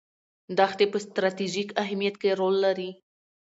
دښتې په ستراتیژیک اهمیت کې رول لري.